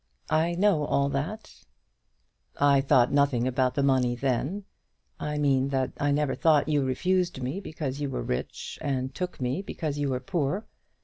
I know all that." "I thought nothing about the money then. I mean that I never thought you refused me because you were rich and took me because you were poor.